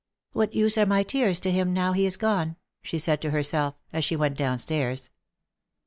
'^ What use are my tears to him, now he is gone ?" she said to herself, as she went downstairs.